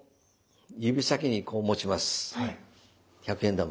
１００円玉。